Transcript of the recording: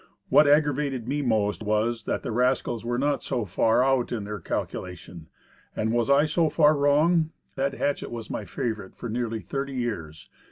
What aggravated me most wa r , that the rascals were not so far out in their cal culation. And was I so far wrong? That hatchet was my favorite for nearly thirty years.